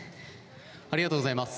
ありがとうございます